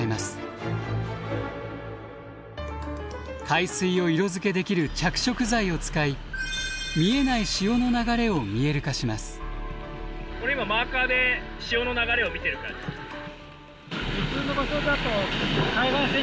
海水を色づけできる着色剤を使い見えない潮の流れを見える化します。